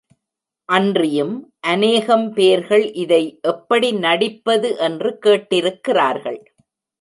அன்றியும் அநேகம் பேர்கள் இதை எப்படி நடிப்பது என்று கேட்டிருக்கிறார்கள்.